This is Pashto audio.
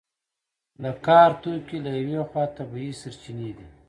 د کار توکي له یوې خوا طبیعي سرچینې دي.